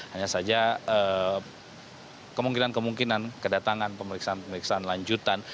hanya saja kemungkinan kemungkinan kedatangan pemeriksaan pemeriksaan lanjutan